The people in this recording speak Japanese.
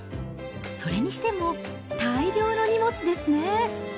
それにしても、大量の荷物ですね。